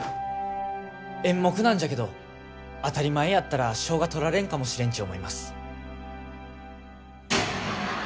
演目なんじゃけど当たり前やったら賞が取られんかもしれんち思います